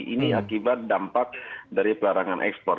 ini akibat dampak dari pelarangan ekspor